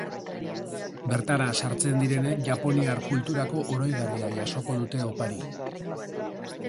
Bertara sartzen direnek japoniar kulturako oroigarria jasoko dute opari.